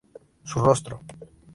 Su rostro.